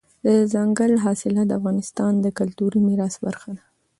دځنګل حاصلات د افغانستان د کلتوري میراث برخه ده.